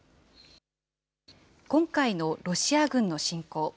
今回のロシア軍の侵攻。